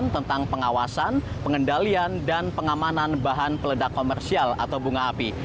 tentang pengawasan pengendalian dan pengamanan bahan peledak komersial atau bunga api